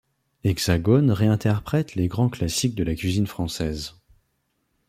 Hexagone réinterprète les grands classiques de la cuisine française.